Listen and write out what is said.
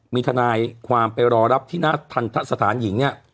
มีทนายความไปรอรับที่หน้าทันทะสถานหญิงเนี่ย